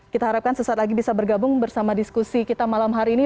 kita harapkan sesaat lagi bisa bergabung bersama diskusi kita malam hari ini